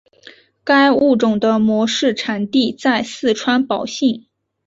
该物种的模式产地在四川宝兴。